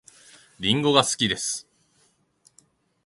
りんごが好きです